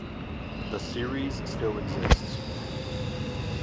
The series still exists.